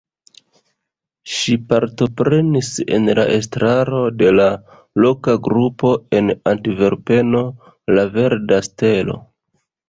Ŝi partoprenis en la estraro de la loka grupo en Antverpeno La Verda Stelo.